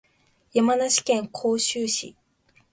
山梨県甲州市